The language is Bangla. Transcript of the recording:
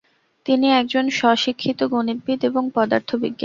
তিনি একজন স্ব-শিক্ষিত গণিতবিদ এবং পদার্থবিজ্ঞানী।